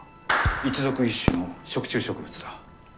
一属一種の食虫植物だ。